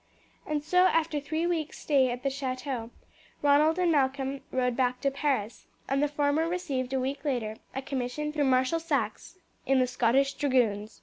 And so, after three weeks' stay at the chateau, Ronald and Malcolm rode back to Paris, and the former received a week later a commission through Marshal Saxe in the Scottish Dragoons.